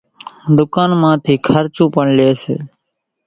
ڌُوڪان مان ٿي کارچون پڻ لئي سي،